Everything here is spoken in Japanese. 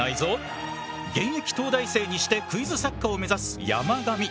現役東大生にしてクイズ作家を目指す山上。